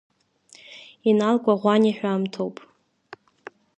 Инал Кәаӷәаниаиҳәамҭоуп.